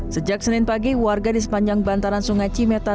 sejak senin pagi warga di sepanjang bantaran sungai cimeta